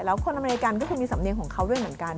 แล้วคนอเมริกันก็คือมีสำเนียงของเขาด้วยเหมือนกัน